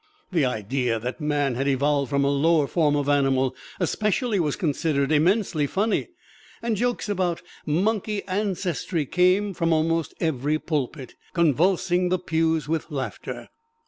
The idea that man had evolved from a lower form of animal especially was considered immensely funny, and jokes about "monkey ancestry" came from almost every pulpit, convulsing the pews with laughter.